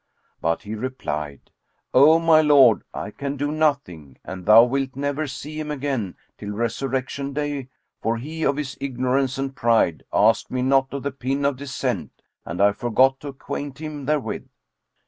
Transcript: But he replied, "O my lord, I can do nothing, and thou wilt never see him again till Resurrection day, for he, of his ignorance and pride, asked me not of the pin of descent and I forgot to acquaint him therewith."